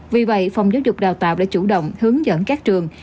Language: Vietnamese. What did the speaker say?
vì vậy phòng giáo dục đào tạo đã chủ động hướng dẫn các trường